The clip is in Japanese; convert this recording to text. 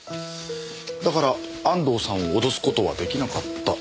だから安藤さんを脅す事は出来なかった。